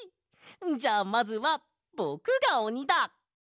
じゃあまずはぼくがおにだ！